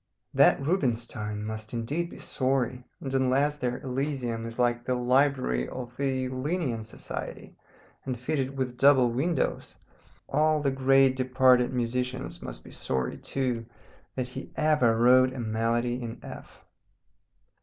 That Rubinstein must indeed be sorry, and unless their elysium is like the library of the Linnæan Society, and fitted with double windows, all the great departed musicians must be sorry too, that he ever wrote a Melody in F.